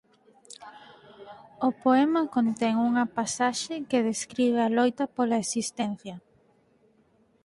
O poema contén unha pasaxe que describe a loita pola existencia.